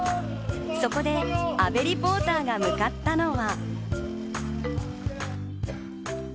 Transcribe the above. そこで阿部リポーターが向かったのは。